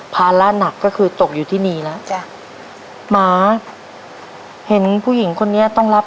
ภาระหนักก็คือตกอยู่ที่นี่แล้วจ้ะหมาเห็นผู้หญิงคนนี้ต้องรับ